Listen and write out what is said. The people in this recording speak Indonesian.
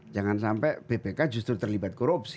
jangan sampai bpk justru terlibat korupsi